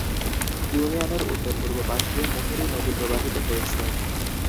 ইউনিয়নের উত্তর-পূর্ব পাশ দিয়ে মুহুরী নদী প্রবাহিত হয়েছে।